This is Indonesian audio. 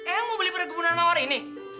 eh mau beli perkebunan mawar ini